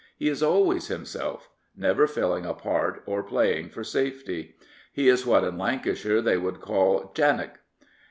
He is always himself — never filling a part or playing for safety. He is what in Lancashire they would call '* jannock.''